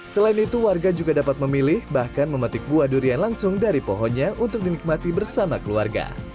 selain itu warga juga dapat memilih bahkan memetik buah durian langsung dari pohonnya untuk dinikmati bersama keluarga